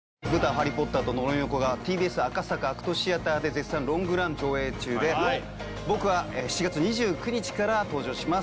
「ハリー・ポッターと呪いの子」がＴＢＳ赤坂ＡＣＴシアターで絶賛ロングラン上映中で僕は４月２９日から登場します